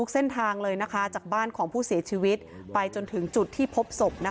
ก็ไม่จากการไอ้น้ำเตียร์น่ะ